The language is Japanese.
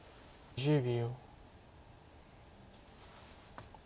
１０秒。